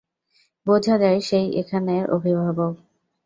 বোঝা যায় সেই এখানের অভিবাবক।